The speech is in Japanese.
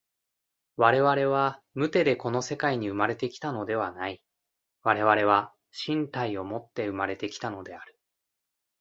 我々は無手でこの世界に生まれて来たのではない、我々は身体をもって生まれて来たのである。